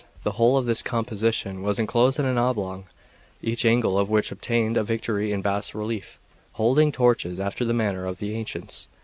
The whole of this composition was enclosed in an oblong, each angle of which contained a Victory in bas relief, holding torches after the manner of the ancients.